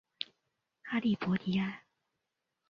阿利博迪埃。